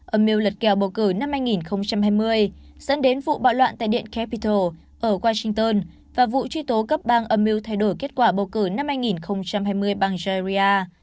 amil lật kèo bầu cử năm hai nghìn hai mươi dẫn đến vụ bạo loạn tại điện capitol ở washington và vụ truy tố cấp bang amil thay đổi kết quả bầu cử năm hai nghìn hai mươi bằng nigeria